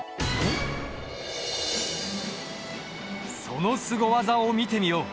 そのスゴ技を見てみよう。